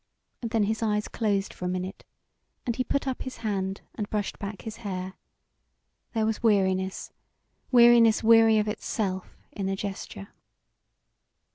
And then his eyes closed for a minute and he put up his hand and brushed back his hair; there was weariness, weariness weary of itself, in the gesture.